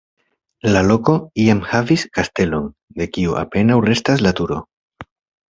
La loko, iam havis kastelon, de kiu apenaŭ restas la turo.